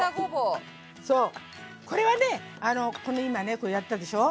そうこれはねこの今ねこれやったでしょ？